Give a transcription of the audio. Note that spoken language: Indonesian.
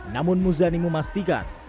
namun muzani memastikan